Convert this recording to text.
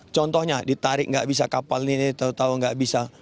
contohnya ditarik nggak bisa kapal ini tau tau nggak bisa